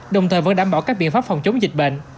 đồng thời vẫn đảm bảo các biện pháp phòng chống dịch bệnh